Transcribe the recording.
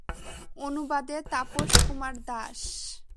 অনুবাদে- তাপস কুমার দাস।